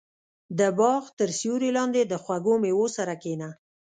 • د باغ تر سیوري لاندې د خوږو مېوو سره کښېنه.